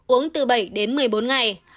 uống từ bảy đến một mươi bốn ngày